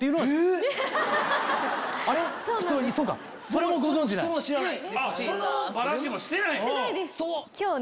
それもご存じない？